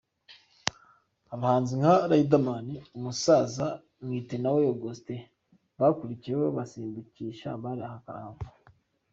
Abahanzi nka Riderman, umusaza Mwitenawe Augustin bakurikiyeho basimbukisha abari aha karahava.